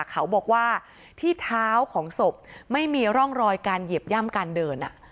เขาบอกว่าที่เท้าของศพไม่มีร่องรอยการเหยียบย่ำการเดิน